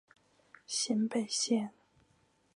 咸北线